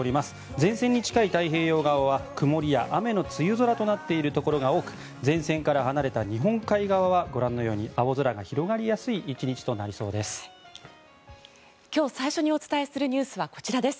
前線に近い太平洋側は曇りや雨の梅雨空となっているところが多く前線から離れた日本海側はご覧のように青空が広がりやすい１日となりそうです。